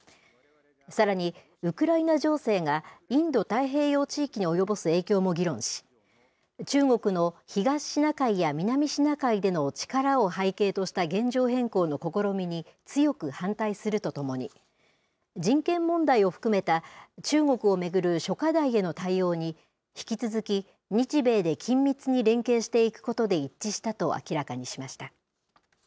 さらに、ウクライナ情勢がインド太平洋地域に及ぼす影響も議論し、中国の東シナ海や南シナ海での力を背景とした現状変更の試みに強く反対するとともに、人権問題を含めた中国を巡る諸課題への対応に、引き続き日米で緊密に連携していくことで一致したと明らかにしました。